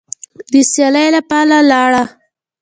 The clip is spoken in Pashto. د سیالۍ لپاره لاړه